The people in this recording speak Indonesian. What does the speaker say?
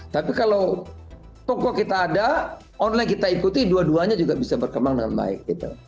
tapi kalau toko kita ada online kita ikuti dua duanya juga bisa berkembang dengan baik